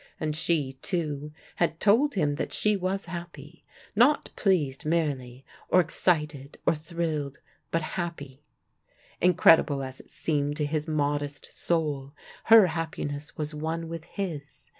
And she, too, had told him that she was happy, not pleased merely, or excited or thrilled, but happy. Incredible as it seemed to his modest soul, her happiness was one with his.